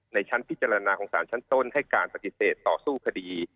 ในชั้นพิจารณาของสารชั้นต้นให้การปฏิเสธต่อสู้คดี